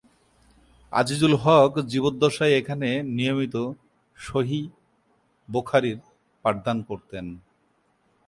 আজিজুল হক জীবদ্দশায় এখানে নিয়মিত "সহীহ বুখারীর" পাঠদান করতেন।